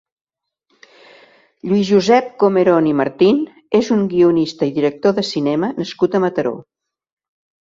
Lluís Josep Comeron i Martín és un guionista i director de cinema nascut a Mataró.